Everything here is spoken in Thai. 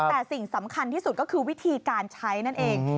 แต่สิ่งสำคัญที่สุดก็คือวิธีการใช้นั่นเอง